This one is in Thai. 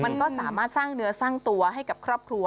มันก็สามารถสร้างเนื้อสร้างตัวให้กับครอบครัว